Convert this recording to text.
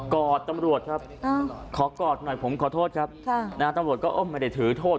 อดตำรวจครับขอกอดหน่อยผมขอโทษครับตำรวจก็ไม่ได้ถือโทษ